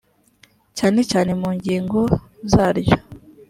cyane cyane mu ngingo zaryo